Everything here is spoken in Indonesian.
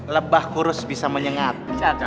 lebah kurus bisa menyengat